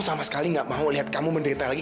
sama sekali gak mau lihat kamu menderita lagi